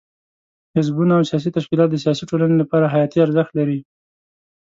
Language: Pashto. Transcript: حزبونه او سیاسي تشکیلات د سیاسي ټولنې لپاره حیاتي ارزښت لري.